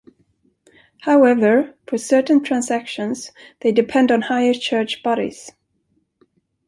However, for certain transactions they depend on higher church bodies.